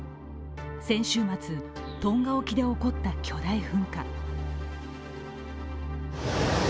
先週末、トンガ沖で起こった巨大噴火。